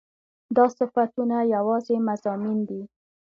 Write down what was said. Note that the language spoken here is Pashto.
دا صفتونه يواځې مضامين دي